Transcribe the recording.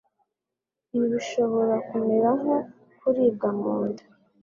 Ibi bishobora kumera nko kuribwa mu nda